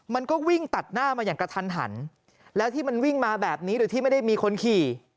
มันก็วิ่งตัดหน้ามาอย่างกระทันหันแล้วที่มันวิ่งมาแบบนี้โดยที่ไม่ได้มีคนขี่